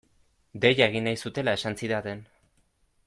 Deia egin nahi zutela esan zidaten.